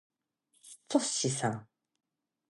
っそしっさん。